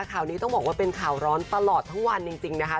ข่าวนี้ต้องบอกว่าเป็นข่าวร้อนตลอดทั้งวันจริงนะคะ